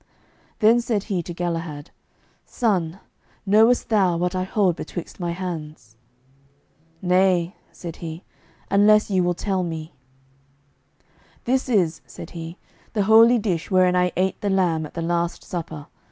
Then said He to Galahad, "Son, knowest thou what I hold betwixt my hands?" "Nay," said he, "unless ye will tell me." "This is," said He, "the holy dish wherein I ate the lamb at the Last Supper.